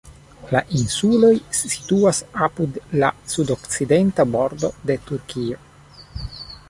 La insuloj situas apud la sudokcidenta bordo de Turkio.